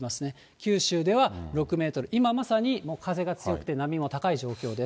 九州では６メートル、今まさにもう風が強くて波も高い状況です。